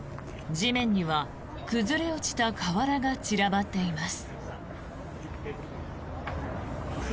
地面には崩れ落ちた瓦が散らばっています。